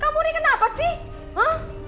kamu nih kenapa sih